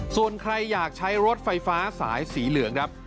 ส่วนใครอยากใช้รถไฟฟ้าสายสีเหลืองครับ